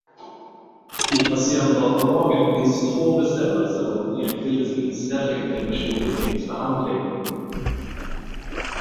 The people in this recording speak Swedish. I patientdatalagen finns två bestämmelser om den enskildes inställning till personuppgiftsbehandling.